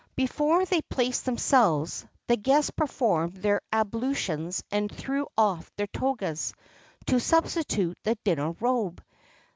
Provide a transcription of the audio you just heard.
[XXXII 52] Before they placed themselves, the guests performed their ablutions and threw off their togas, to substitute the "dinner robe."